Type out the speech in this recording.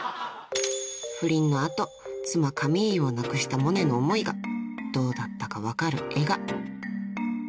［不倫の後妻カミーユを亡くしたモネの思いがどうだったか分かる絵が］